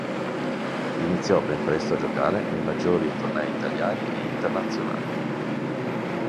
Iniziò ben presto a giocare nei maggiori tornei italiani e internazionali.